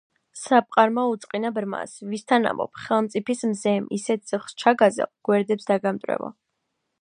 საპყარმა უწყინა ბრმას: ვისთან ამბობ? ხელმწიფის მზემ, ისეთ წიხლს ჩაგაზელ, გვერდებს დაგამტვრევო!